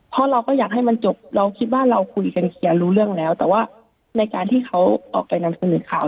เพราะเราก็อยากให้มันจบเราคิดว่าเราคุยกันเคลียร์รู้เรื่องแล้วแต่ว่าในการที่เขาออกไปนำเสนอข่าว